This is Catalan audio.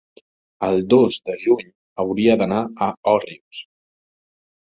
el dos de juny hauria d'anar a Òrrius.